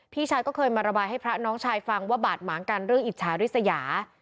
พี่ชายก็เคยมาระบายให้พระน้องชายฟังว่าบาดหมางกันเรื่องอิจฉาริสยา